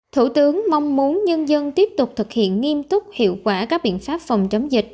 thủ tướng mong muốn nhân dân tiếp tục thực hiện nghiêm túc hiệu quả các biện pháp phòng chống dịch